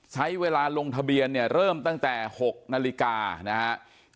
ใช้เวลาลงทะเบียนเนี่ยเริ่มตั้งแต่๖นาฬิกานะครับ